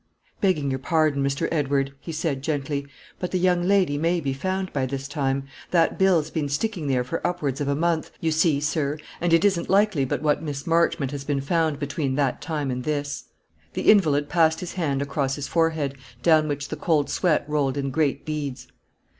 "Begging you pardon, Mr. Edward," he said, gently; "but the young lady may be found by this time. That bill's been sticking there for upwards of a month, you see, sir, and it isn't likely but what Miss Marchmont has been found between that time and this." The invalid passed his hand across his forehead, down which the cold sweat rolled in great beads.